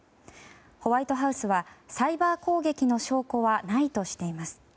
ホワイトハウスはサイバー攻撃の証拠はないとしています。